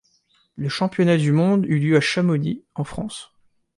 Le championnat du monde eut lieu à Chamonix, en France.